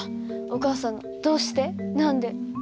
お母さんの「どうして？何で？」。